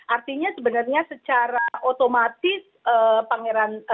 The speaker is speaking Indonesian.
artinya sebenarnya secara otomatis pangeran